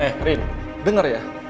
eh rin denger ya